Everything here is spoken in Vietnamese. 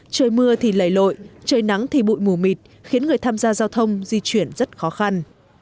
trời mưa thì lầy lội trời nắng thì bụi mù mịt khiến người tham gia giao thông di chuyển rất khó khăn